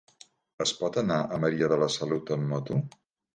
Es pot anar a Maria de la Salut amb moto?